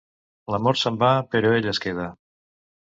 L'amor se'n va, però ella es queda.